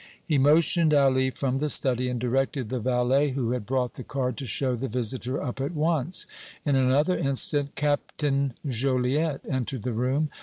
He motioned Ali from the study, and directed the valet who had brought the card to show the visitor up at once. In another instant Captain Joliette entered the room.